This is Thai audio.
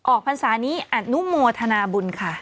ออกภาษานี้อนุโมทนาบุญค่ะ